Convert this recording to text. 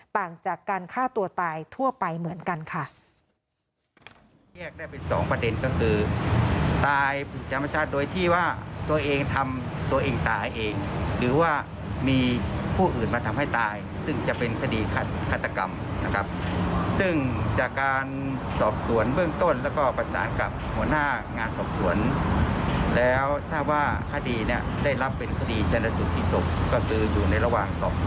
ต่างจากการฆ่าตัวตายทั่วไปเหมือนกันค่ะ